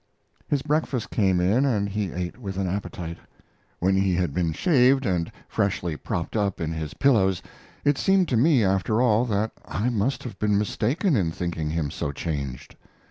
His breakfast came in and he ate with an appetite. When he had been shaved and freshly propped tip in his pillows it seemed to me, after all, that I must have been mistaken in thinking him so changed.